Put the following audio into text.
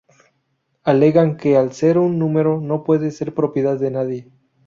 Alegan que al ser un número no puede ser propiedad de nadie.